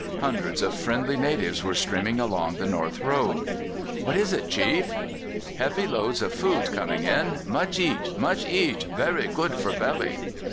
Hundreds of friendly natives were streaming along the north road. "What is it, chief?" "Heavy loads of food coming in. Much eat! much eat very good for belly!"